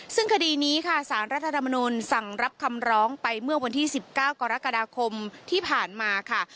ซึ่งคดีนี้ค่ะสารรัฐธรรมนุนสั่งรับคำร้องไปเมื่อวันที่๑๙กรกฎาคมที่ผ่านมาค่ะ